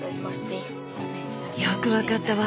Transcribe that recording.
よく分かったわ。